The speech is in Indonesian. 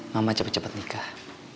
mama cepet cepet nikah